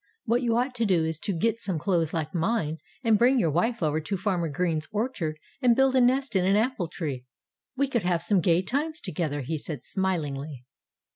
What you ought to do is to get some clothes like mine and bring your wife over to Farmer Green's orchard and build a nest in an apple tree.... We could have some gay times together," he said smilingly.